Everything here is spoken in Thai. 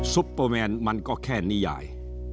ซุปเปอร์แมนมันก็แค่นิยาย